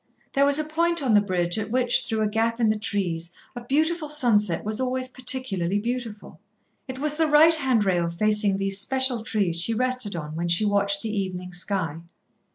There was a point on the bridge at which, through a gap in the trees, a beautiful sunset was always particularly beautiful. It was the right hand rail facing these special trees she rested on when she watched the evening sky.